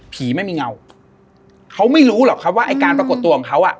ผีไม่มีเงาเขาไม่รู้หรอกว่าการปรากฏตัวของเขาอะ